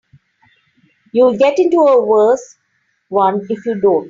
You'll get into a worse one if you don't.